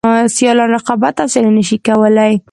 سیالان رقابت او سیالي نشي کولای.